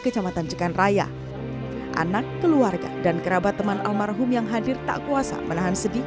kecamatan jekan raya anak keluarga dan kerabat teman almarhum yang hadir tak kuasa menahan sedih